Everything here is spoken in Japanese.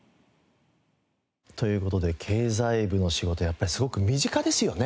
という事で経済部の仕事やっぱりすごく身近ですよね。